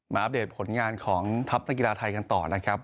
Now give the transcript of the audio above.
อัปเดตผลงานของทัพนักกีฬาไทยกันต่อนะครับ